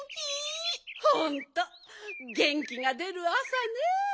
ほんとげんきがでるあさね。